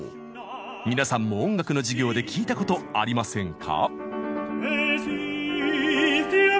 皆さんも音楽の授業で聴いたことありませんか？